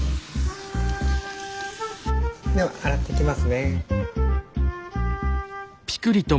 では洗っていきますね。